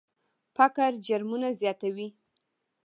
فقر جرمونه زیاتوي.